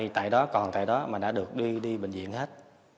tại đó còn tại đó mà đã được đưa đi bệnh viện hết